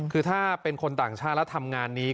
คือถ้าเป็นคนต่างชาติแล้วทำงานนี้